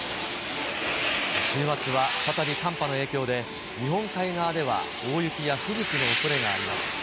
週末は再び寒波の影響で、日本海側では大雪や吹雪のおそれがあります。